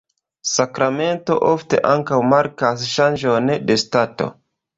Sakramento ofte ankaŭ markas ŝanĝon de stato.